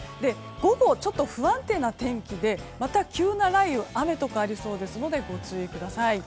午後、ちょっと不安定な天気でまた急な雷雨や雨とかありそうですのでご注意ください。